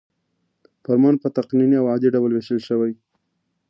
فرمان په تقنیني او عادي ډول ویشل شوی.